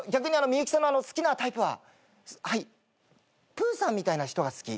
プーさんみたいな人が好き。